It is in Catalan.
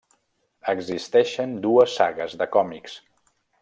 Existeixen dues sagues de còmics.